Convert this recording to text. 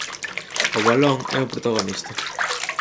O balón é o protagonista.